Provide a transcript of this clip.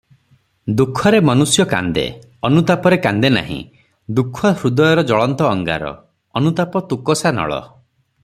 ଦୁଃଖରେ ମନୁଷ୍ୟ କାନ୍ଦେ, ଅନୁତାପରେ କାନ୍ଦେନାହିଁ, ଦୁଃଖ ହୃଦୟର ଜ୍ୱଳନ୍ତ ଅଙ୍ଗାର, ଅନୁତାପ ତୁକଷା ନଳ ।